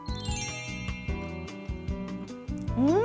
うん！